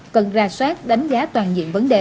cần ra soát đánh giá toàn diện vấn đề